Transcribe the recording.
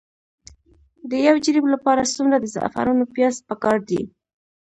د یو جریب لپاره څومره د زعفرانو پیاز پکار دي؟